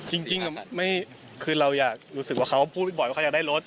จริงคือเราอยากรู้สึกว่าเขาพูดบ่อยว่าเขาอยากได้รถ